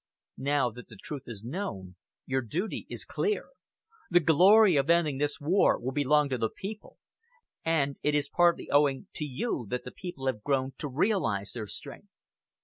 Now that the truth is known, your duty is clear. The glory of ending this war will belong to the people, and it is partly owing to you that the people have grown to realise their strength."